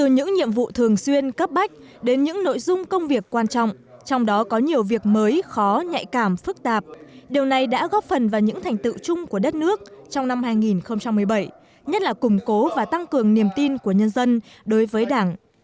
những nhiệm vụ thường xuyên cấp bách đến những nội dung công việc quan trọng trong đó có nhiều việc mới khó nhạy cảm phức tạp điều này đã góp phần vào những thành tựu chung của đất nước trong năm hai nghìn một mươi bảy nhất là củng cố và tăng cường niềm tin của nhân dân đối với đảng